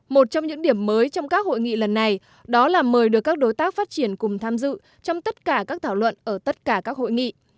một trong những điểm mới trong các hội nghị lần này đó là mời được các đối tác phát triển cùng tham dự trong tất cả các thảo luận ở tất cả các hội nghị